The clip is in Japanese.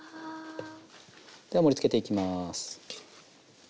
では盛りつけていきます。